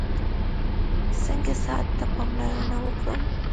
څنګه صحت ته پاملرنه وکړم؟